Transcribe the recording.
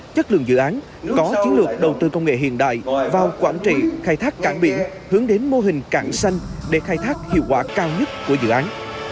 chất lượng dự án có chiến lược đầu tư công nghệ hiện đại vào quản trị khai thác cảng biển hướng đến mô hình cảng xanh để khai thác hiệu quả cao nhất của dự án